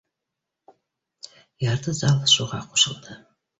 Ярты зал шуға ҡушылды